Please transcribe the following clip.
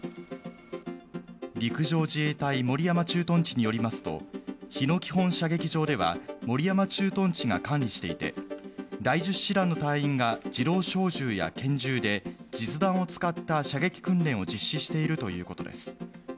陸上自衛隊守山駐屯地によりますと、日野基本射撃場では、守山駐屯地が管理していて、第１０師団の隊員が自動小銃や拳銃で実弾を使った射撃訓練を実施しているということです。